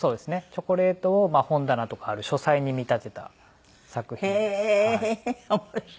チョコレートを本棚とかある書斎に見立てた作品です。